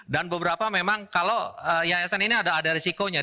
beberapa memang kalau yayasan ini ada risikonya